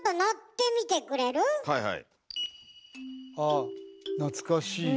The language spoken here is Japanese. ああ懐かしい。